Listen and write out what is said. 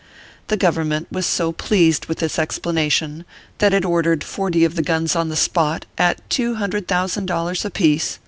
The Govern , ment was so pleased with this explanation, that it ordered forty of the guns on the spot, at two hundred thousand dollars apiece.